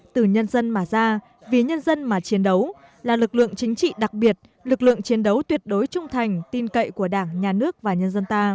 từ nhân dân mà ra vì nhân dân mà chiến đấu là lực lượng chính trị đặc biệt lực lượng chiến đấu tuyệt đối trung thành tin cậy của đảng nhà nước và nhân dân ta